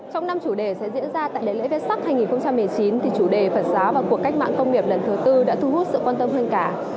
trong năm chủ đề sẽ diễn ra tại lễ lễ sắc hai nghìn một mươi chín thì chủ đề phật giáo và cuộc cách mạng công nghiệp lần thứ tư đã thu hút sự quan tâm hơn cả